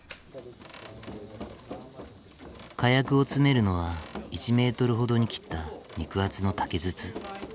火薬を詰めるのは１メートルほどに切った肉厚の竹筒。